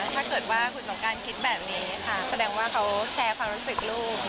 ถ้าเกิดว่าคุณสงการคิดแบบนี้ค่ะแสดงว่าเขาแชร์ความรู้สึกลูก